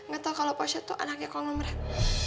gak tau kalau posnya tuh anaknya konglomerat